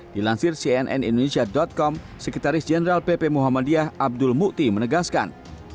dilansir cnn indonesia com sekretaris jenderal pp muhammadiyah abdul mukti menegaskan